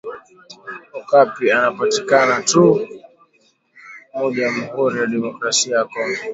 Okapi anapatikana tu mu jamhuri ya democrasia ya kongo